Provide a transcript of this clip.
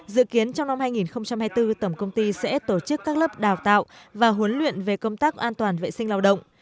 dự kiến trong năm hai nghìn hai mươi bốn tổng công ty sẽ tổ chức các lớp đào tạo và huấn luyện về công tác an toàn vệ sinh lao động